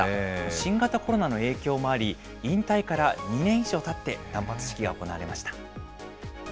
新型コロナの影響もあり、引退から２年以上たって、断髪式が行われました。